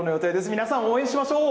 皆さん、応援しましょう！